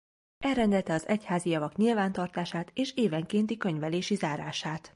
Elrendelte az egyházi javak nyilvántartását és évenkénti könyvelési zárását.